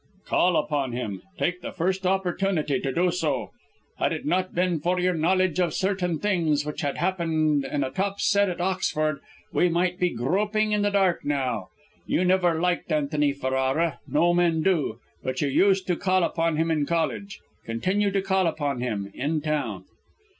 "Call upon him. Take the first opportunity to do so. Had it not been for your knowledge of certain things which happened in a top set at Oxford we might be groping in the dark now! You never liked Antony Ferrara no men do; but you used to call upon him in college. Continue to call upon him, in town."